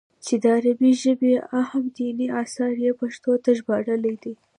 چې د عربي ژبې اهم ديني اثار ئې پښتو ته ژباړلي دي